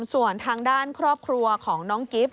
ส่วนทางด้านครอบครัวของน้องกิฟต์